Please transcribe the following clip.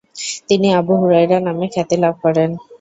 তিনি Abu Hurairah নামে খ্যাতি লাভ করেন।